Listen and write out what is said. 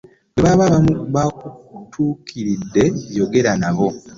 Bwe baba bakutuukiridde yogera nabo.